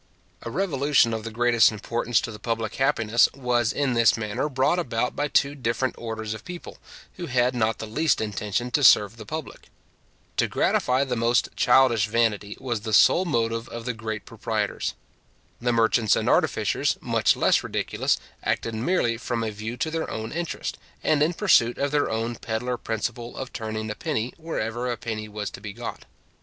A revolution of the greatest importance to the public happiness, was in this manner brought about by two different orders of people, who had not the least intention to serve the public. To gratify the most childish vanity was the sole motive of the great proprietors. The merchants and artificers, much less ridiculous, acted merely from a view to their own interest, and in pursuit of their own pedlar principle of turning a penny wherever a penny was to be got.